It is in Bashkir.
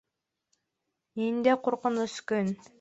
Ниндәй ҡурҡыныс көн!